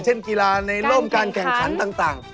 เช่นกีฬาในร่มการแข่งขันต่าง